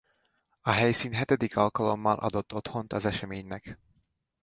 A helyszín hetedik alkalommal adott otthont az eseménynek.